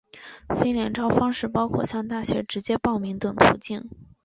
非联招方式包括向大学直接报名等途径。